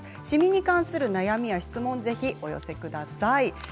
シミに関する悩みや質問をぜひお寄せください。